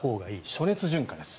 暑熱順化です。